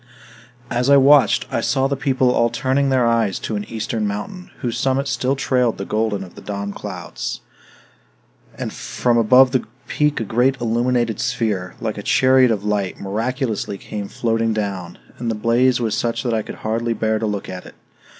As I watched, I saw the people all turning their eyes to an eastern mountain, whose summit still trailed the golden of the dawn clouds. And from above the peak a great illuminated sphere, like a chariot of light, miraculously came floating down; and the blaze was such that I could hardly bear to look at it.